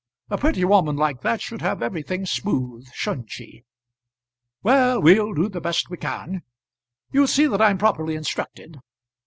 A pretty woman like that should have everything smooth; shouldn't she? Well, we'll do the best we can. You'll see that I'm properly instructed.